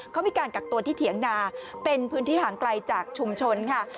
เขามีการกักตัวที่เถียงนาเป็นพื้นที่ห่างไกลจากชุมชนค่ะ